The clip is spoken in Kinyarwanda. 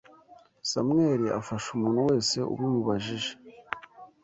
Samweli afasha umuntu wese ubimubajije.